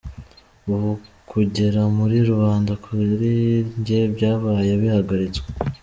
Ubu kugera muri rubanda kuri njye byabaye bihagaritswe."